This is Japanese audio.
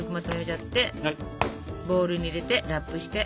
ボウルに入れてラップして。